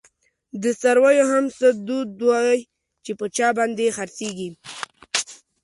دڅارویو هم څه دود وی، چی په چا باندی خرڅیږی